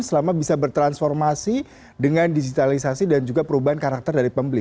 selama bisa bertransformasi dengan digitalisasi dan juga perubahan karakter dari pembeli